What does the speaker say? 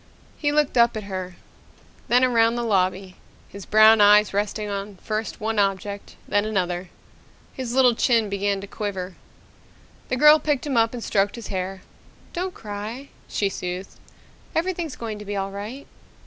He looked up at her, then around the lobby, his brown eyes resting on first one object, then another. His little chin began to quiver. The girl picked him up and stroked his hair. "Don't cry," she soothed. "Everything's going to be all right."